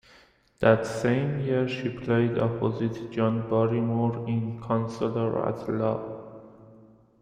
That same year she played opposite John Barrymore in "Counsellor at Law".